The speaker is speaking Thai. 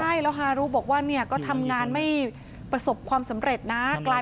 ใช่แล้วฮารุบอกว่าเนี่ยก็ทำงานไม่ประสบความสำเร็จนะ